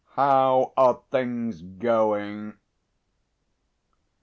How are things going?"